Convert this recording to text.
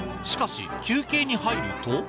しかし休憩に入ると